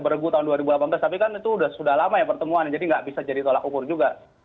bergu tahun dua ribu delapan belas tapi kan itu sudah lama ya pertemuan jadi nggak bisa jadi tolak ukur juga